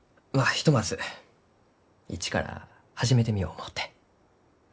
ひとまず一から始めてみよう思うて。